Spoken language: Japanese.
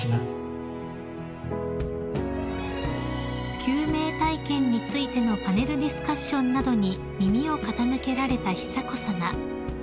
［救命体験についてのパネルディスカッションなどに耳を傾けられた久子さま］